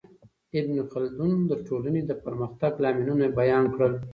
ابن خلدون د ټولنې د پرمختګ لاملونه بیان کړل.